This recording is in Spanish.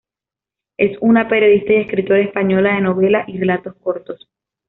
Es una periodista y escritora española de novela y relatos cortos.